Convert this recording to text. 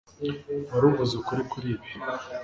Wari uvuze ukuri kuri ibi